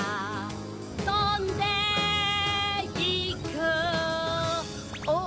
とんでいくあっ！